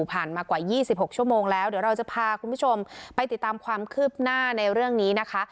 ผ่านมากว่า๒๖ชั่วโมงแล้วเดี๋ยวเราจะพาคุณผู้ชมไปติดตามความคืบหน้าในเรื่องนี้นะคะ